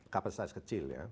kapasitas kecil ya